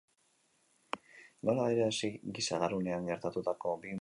Nola adierazi giza garunean gertatutako big bang hura?